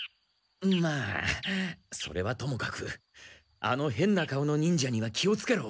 まあそれはともかくあの変な顔の忍者には気をつけろ！